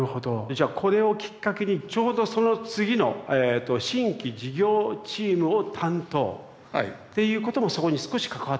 じゃこれをきっかけにちょうどその次の新規事業チームを担当。っていうこともそこに少し関わっている？